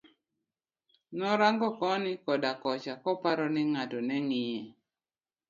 Norang'o koni koda kocha kaponi ngato neng'iye.